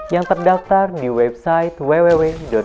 yang terdaftar di website www bi go id